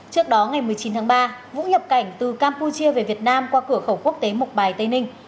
trước đó ngày một mươi chín tháng ba vũ nhập cảnh từ campuchia về việt nam qua cửa khẩu quốc tế mộc bài tây ninh